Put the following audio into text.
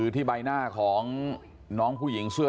ที่ใบหน้าของน้องผู้หญิงเสื้อ